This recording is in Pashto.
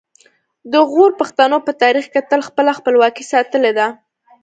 د غور پښتنو په تاریخ کې تل خپله خپلواکي ساتلې ده